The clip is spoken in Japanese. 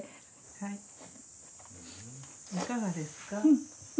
いかがですか？